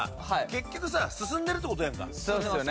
結局さ進んでるってことやんか進んでます